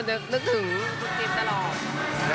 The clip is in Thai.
ควรจะนึกถึงคุณจินตลอด